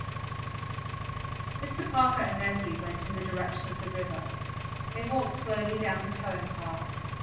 Mr. Parker and Leslie went in the direction of the river. They walked slowly down the towing path.